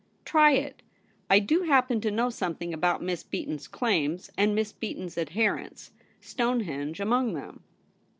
Try it. I do happen to know something about Miss Beaton's claims and Miss Beaton's adherents — Stonehenore amone them.'